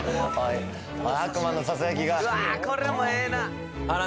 悪魔のささやきがうわ